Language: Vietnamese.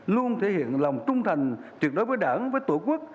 luôn thể hiện lòng trung thành tuyệt đối với đảng với tổ quốc